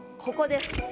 ここです。